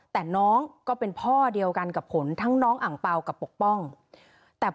แต่น้องก็เป็นพ่อเดียวกันกับผลทั้งน้องอังเปล่ากับปกป้องแต่